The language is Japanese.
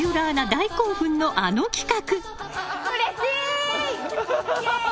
大興奮のあの企画！